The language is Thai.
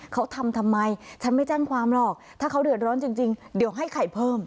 เขาทำทำไมฉันไม่แจ้งความหรอกถ้าเขาเดือดร้อนจริงเดี๋ยวให้ไข่เพิ่ม